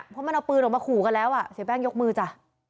เพราะมันเอาปืนออกมาขู่กันแล้วอ่ะเสียแป้งยกมือจ้ะ